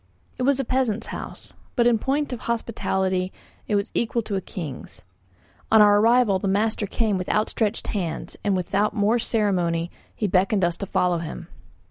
It was a peasant's house, but in point of hospitality it was equal to a king's. On our arrival the master came with outstretched hands, and without more ceremony he beckoned us to follow him.